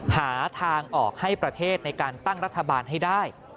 หาทางออกให้ประเทศในการตั้งรัฐบาลให้ได้